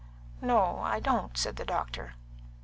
"No, I don't," said the doctor.